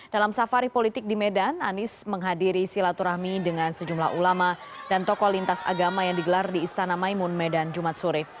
dalam safari politik di medan anies menghadiri silaturahmi dengan sejumlah ulama dan tokoh lintas agama yang digelar di istana maimun medan jumat sore